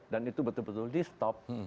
dan itu betul betul di stop